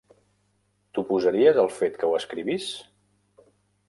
T'oposaries al fet que ho escrivís?